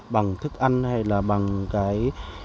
bằng thức ăn hay là bằng cái